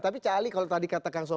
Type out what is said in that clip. tapi cali kalau tadi kata kang soban